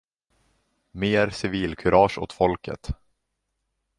Mer civilkurage åt folket.